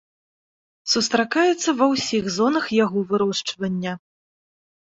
Сустракаецца ва ўсіх зонах яго вырошчвання.